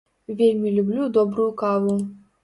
Вельмі люблю добрую каву.